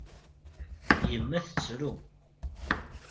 Yemma tettru.